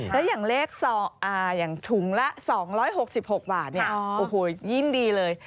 แล้วอย่างเลข๒ถุงละ๒๖๖บาทยิ่งดีเลย